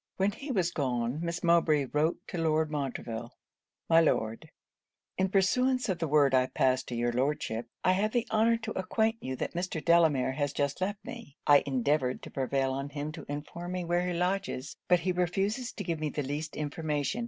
When he was gone, Miss Mowbray wrote to Lord Montreville 'My Lord, 'In pursuance of the word I passed to your Lordship, I have the honour to acquaint you that Mr. Delamere has just left me. I endeavoured to prevail on him to inform me where he lodges; but he refuses to give me the least information.